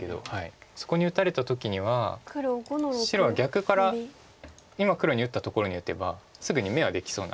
そこに打たれた時には白は逆から今黒が打ったところに打てばすぐに眼はできそうな。